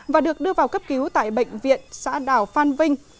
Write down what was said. và được đưa vào cấp cứu tại bệnh viện xã đảo phan vinh